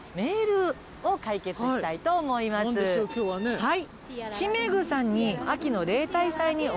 はい。